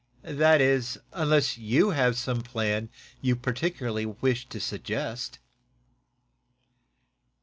"That is, unless you have some plan you particularly wish to suggest."